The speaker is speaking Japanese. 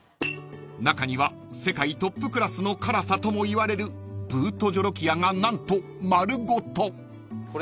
［中には世界トップクラスの辛さともいわれるブートジョロキアが何と丸ごと］